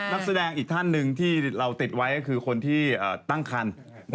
นักแสดงอีกท่านหนึ่งที่เราติดไว้ก็คือคนที่ตั้งคัน